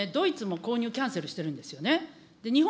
これドイツも購入キャンセルしてるんですよね。